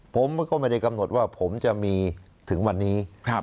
ผมก็ไม่ได้กำหนดว่าผมจะมีถึงวันนี้